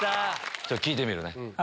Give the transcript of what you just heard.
ちょっと聞いてみるね。